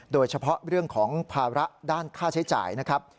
โดยเฉพาะเรื่องของภาระด้านค่าใช้จ่ายนะครับ